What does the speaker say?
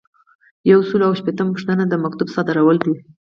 یو سل او شپیتمه پوښتنه د مکتوب صادرول دي.